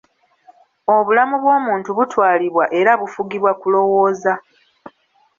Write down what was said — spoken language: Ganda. Obulamu bw'omuntu butwalibwa era bufugibwa kulowooza.